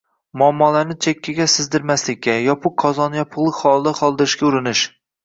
muammolarni chekkaga sizdirmaslikka, yopiq qozonni yopig‘liq holida qoldirishga urinish